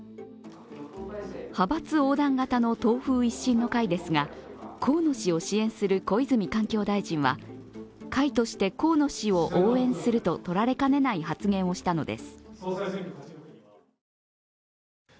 派閥横断型の党風一新の会ですが、河野氏を支援する小泉環境大臣は会として河野氏を応援するととられかねない発言をしたのです。